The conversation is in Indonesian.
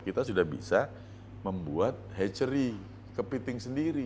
kita sudah bisa membuat hetchery kepiting sendiri